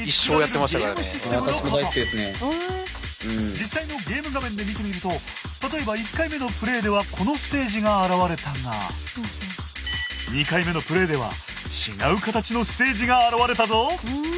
実際のゲーム画面で見てみると例えば１回目のプレイではこのステージが現れたが２回目のプレイでは違う形のステージが現れたぞ！